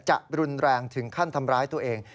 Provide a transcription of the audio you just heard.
จะรุนแรงถึงขั้นทำร้ายตัวเอง